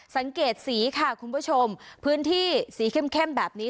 สังเกตสีค่ะคุณผู้ชมพื้นที่สีเข้มแบบนี้